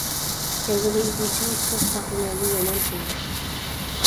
ئېغىزىمىزنى چىڭ تۇتۇپ، ساقلىنايلى يامان تىلدىن.